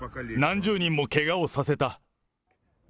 何十人もけがをさせた。